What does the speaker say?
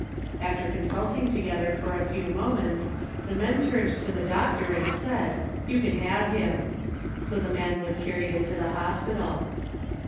After consulting together for a few moments the men turned to the doctor and said, "You can have him." So the man was carried into the hospital.